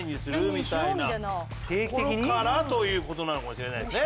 みたいなところからという事なのかもしれないですね。